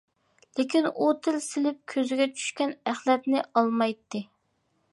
لېكىن ئۇ تىل سېلىپ كۆزگە چۈشكەن ئەخلەتنى ئالمايتتى.